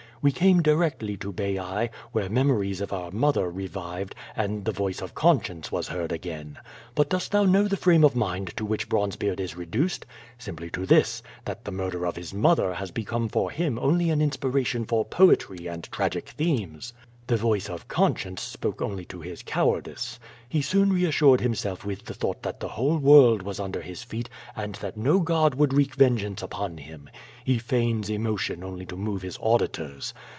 We came directly to Baiae, where memories of our mother revived, and the voice of conscience was heard again. QUO VADIS. 143 But dost thou know the frame of mind to which Bronzebeard is reduced? Simply to this, that the murder of his mother has become for liim only an inspiration for poetry and tragic themes. The voice of conscience spoke only to his cowardice. He soon reassured himself with the thought that the whole world was under his feet and that no god would wreak vengeance upon him. He feigns emotion only to move his auditors.